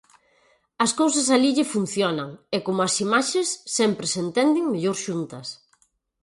As cousas alí lle funcionan e como as imaxes sempre se entenden mellor xuntas.